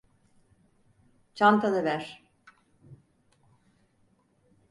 Çantanı ver.